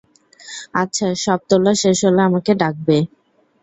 আচ্ছা, সব তোলা শেষ হলে আমাকে ডাকবে।